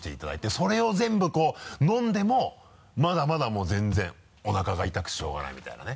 それを全部こう飲んでもまだまだもう全然おなかが痛くてしょうがないみたいなね。